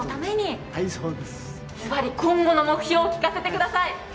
ズバリ、今後の目標を聞かせてください。